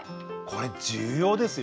これ重要ですよ。